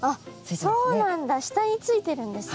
そうなんだ下についてるんですか。